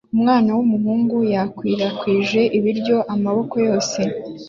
Umwana w'umuhungu yakwirakwije ibiryo amaboko yose